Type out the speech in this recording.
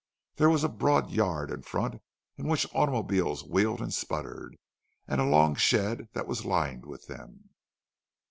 There was a broad yard in front, in which automobiles wheeled and sputtered, and a long shed that was lined with them.